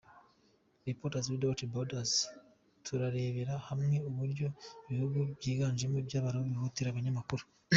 Reporters without Borders, turarebera hamwe uburyo , ibihugu by’iganjemo iby’Abarabu bihohotera abanyamakuru.